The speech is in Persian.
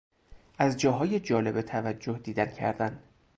از جاهای جالب توجه دیدن کردن